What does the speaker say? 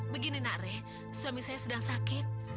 begini nak raih suami saya sedang sakit